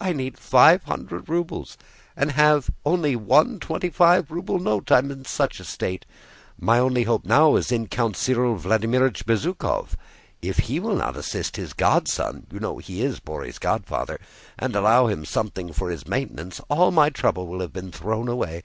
"I need five hundred rubles, and have only one twenty five ruble note. I am in such a state.... My only hope now is in Count Cyril Vladímirovich Bezúkhov. If he will not assist his godson—you know he is Bóry's godfather—and allow him something for his maintenance, all my trouble will have been thrown away....